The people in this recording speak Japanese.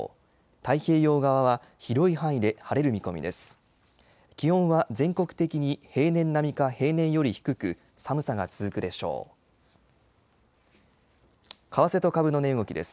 太平洋側は広い範囲で晴れる見込みです。